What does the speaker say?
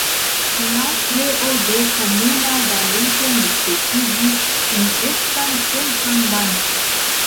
La kreo de komuna valuto necesigis unuecan centran bankon.